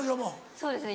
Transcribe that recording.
そうですね